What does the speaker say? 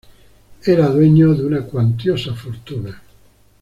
Era dueño de una cuantiosa fortuna.